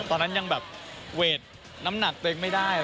ตอนนั้นยังแบบเวทน้ำหนักตัวเองไม่ได้